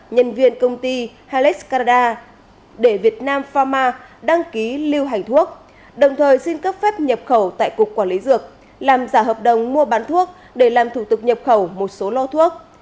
nhân viên công ty halet canada để việt nam farma đăng ký lưu hành thuốc đồng thời xin cấp phép nhập khẩu tại cục quản lý dược làm giả hợp đồng mua bán thuốc để làm thủ tục nhập khẩu một số lô thuốc